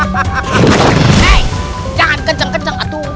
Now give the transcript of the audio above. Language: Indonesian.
hei jangan kenceng kenceng atu